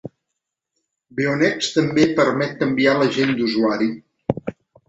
Beonex també permet canviar l'agent d'usuari.